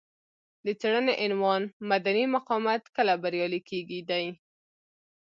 د څېړنې عنوان مدني مقاومت کله بریالی کیږي دی.